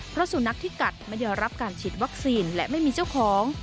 เพราะสุนัขที่กัดไม่ยอมรับการฉีดวัคซีนและไม่มีเจ้าของ